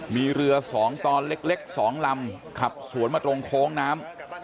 มีเรือ๒ตอนเล็ก๒ลำขับสวนมาตรงโค้งน้ำ